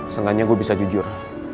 setidaknya gue bisa jujur